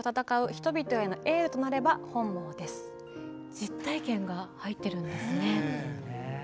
実体験が入ってるんですね。